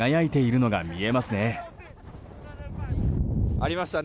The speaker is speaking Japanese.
ありましたね。